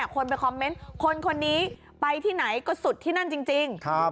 คนไปคอมเมนต์คนนี้ไปที่ไหนก็สุดที่นั่นจริง